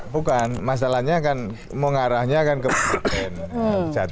bukan masalahnya kan mengarahnya kan ke presiden